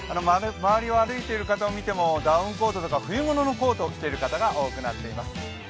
周りを歩いている方を見てもダウンコートとか冬物のコートを着ている方がいます。